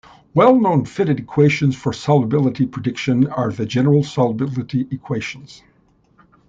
Well known fitted equations for solubility prediction are the general solubility equations.